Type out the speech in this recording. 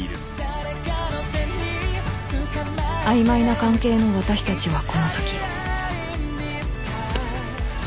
［曖昧な関係の私たちはこの先］